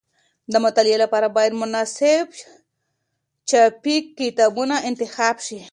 د مطالعې لپاره باید مناسب چاپي کتابونه انتخاب شي.